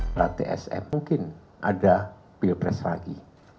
berarti sm mungkin ada pilpres lagi